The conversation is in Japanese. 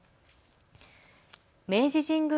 明治神宮